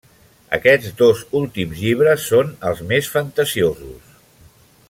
Aquests dos últims llibres són els més fantasiosos.